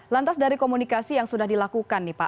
lantas dari komunikasi yang sudah dilakukan nih pak